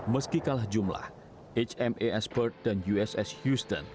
meski kalah jumlah hmas bird dan uss houston